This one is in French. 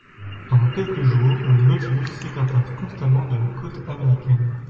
Pendant quelques jours, le Nautilus s'écarta constamment de la côte américaine.